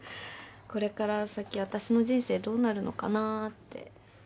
これから先私の人生どうなるのかなって。